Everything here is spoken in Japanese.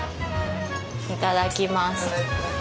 いただきます。